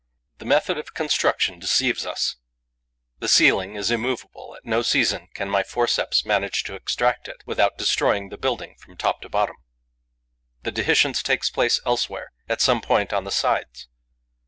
The method of construction deceives us: the ceiling is immovable; at no season can my forceps manage to extract it, without destroying the building from top to bottom. The dehiscence takes place elsewhere, at some point on the sides.